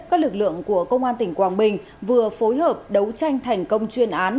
các lực lượng của công an tỉnh quảng bình vừa phối hợp đấu tranh thành công chuyên án